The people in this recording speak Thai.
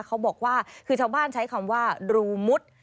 เขาบอกว่าคือชาวบ้านใช้คำว่ารูมุด